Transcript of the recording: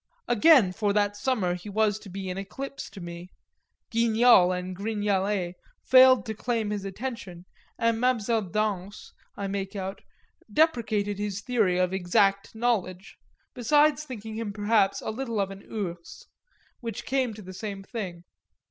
Again for that summer he was to be in eclipse to me; Guignol and Gringalet failed to claim his attention, and Mademoiselle Danse, I make out, deprecated his theory of exact knowledge, besides thinking him perhaps a little of an ours which came to the same thing.